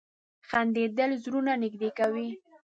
• خندېدل زړونه نږدې کوي.